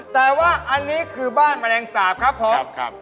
แต่ว่าอันนี้คือบ้านแมลงสาปครับผม